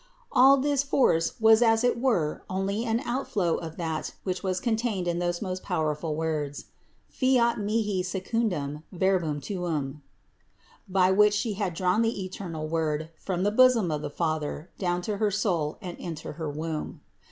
All this force was as it were only an outflow of that which was con tained in those powerful words: "Fiat mihi secundum verbum tuum," by which She had drawn the eternal Word from the bosom of the Father down to her soul and into her womb.